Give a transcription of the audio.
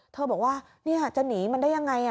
เธอบอกว่าเนี่ยอ่ะจะหนีมันได้ยังไงอ่ะ